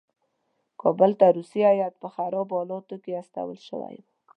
کابل ته روسي هیات په خرابو حالاتو کې استول شوی وو.